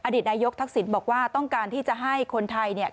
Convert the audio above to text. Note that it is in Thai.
ดีตนายกทักษิณบอกว่าต้องการที่จะให้คนไทยเนี่ย